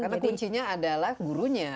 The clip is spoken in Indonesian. karena kuncinya adalah gurunya